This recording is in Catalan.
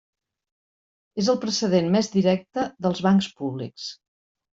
És el precedent més directe dels bancs públics.